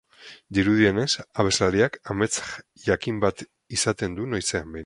Dirudienez, abeslariak amets jakin bat izaten du noizean behin.